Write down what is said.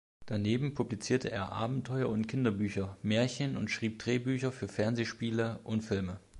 Daneben publizierte er Abenteuer- und Kinderbücher, Märchen und schrieb Drehbücher für Fernsehspiele und Filme.